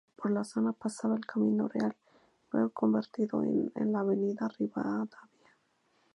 Por la zona pasaba el Camino Real, luego convertido en la Avenida Rivadavia.